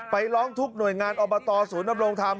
ร้องทุกหน่วยงานอบตศูนย์ดำรงธรรม